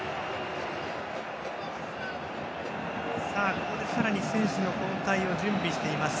ここで、さらに選手の交代を準備しています。